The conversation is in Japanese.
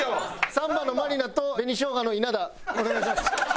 サンバのまりなと紅しょうがの稲田お願いします。